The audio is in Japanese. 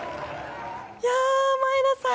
いやー、前田さん